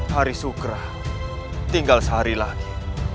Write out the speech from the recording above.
hari sukra tinggal sehari lagi